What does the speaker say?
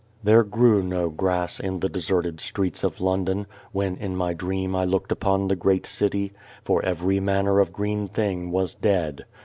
There grew no grass in the deserted streets of London, when in my dream I looked upon the great city, for every manner of green thing was dead.